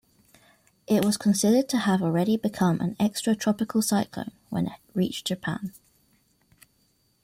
It was considered to have already become an extratropical cyclone when it reached Japan.